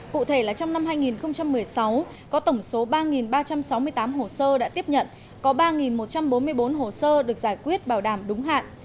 cụ thể là trong năm hai nghìn một mươi sáu có tổng số ba ba trăm sáu mươi tám hồ sơ đã tiếp nhận có ba một trăm bốn mươi bốn hồ sơ được giải quyết bảo đảm đúng hạn